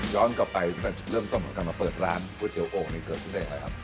ย้อนกลับไปมาเริ่มต้นของกันมาเปิดร้านพ๑๕๐๐เจิงอะไรครับ